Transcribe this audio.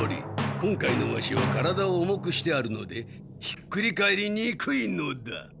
今回のワシは体を重くしてあるのでひっくり返りにくいのだ。